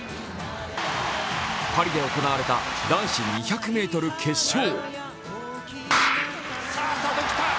パリで行われた男子２００ｍ決勝。